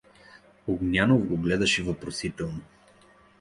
Огнянов го гледаше въпросително.